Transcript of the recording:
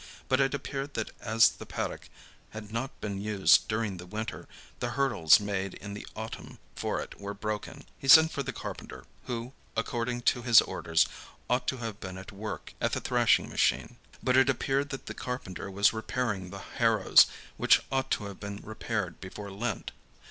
But it appeared that as the paddock had not been used during the winter, the hurdles made in the autumn for it were broken. He sent for the carpenter, who, according to his orders, ought to have been at work at the thrashing machine. But it appeared that the carpenter was repairing the harrows, which ought to have been repaired before Lent.